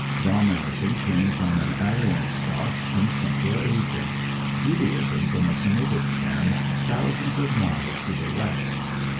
Brahmanism came from an Aryan stock, in Central Asia; Judaism from a Semitic stem, thousands of miles to the west.